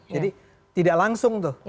jadi tidak langsung tuh